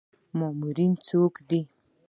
مامورین څوک دي؟